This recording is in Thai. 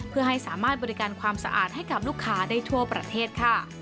เพื่อให้สามารถบริการความสะอาดให้กับลูกค้าได้ทั่วประเทศค่ะ